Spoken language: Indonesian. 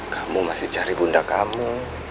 kamu masih cari bunda kamu